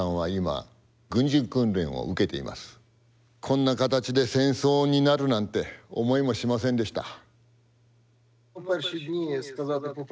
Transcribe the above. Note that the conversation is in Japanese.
こんな形で戦争になるなんて思いもしませんでした。